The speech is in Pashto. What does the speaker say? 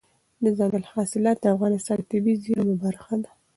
دځنګل حاصلات د افغانستان د طبیعي زیرمو برخه ده.